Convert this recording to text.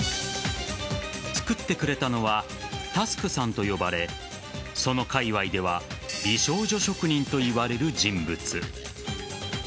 作ってくれたのはタスクさんと呼ばれそのかいわいでは美少女職人といわれる人物。